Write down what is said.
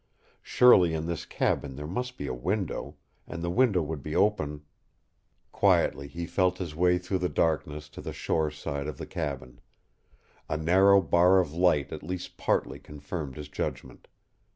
Surely in this cabin there must be a window, and the window would be open Quietly he felt his way through the darkness to the shore side of the cabin. A narrow bar of light at least partly confirmed his judgment.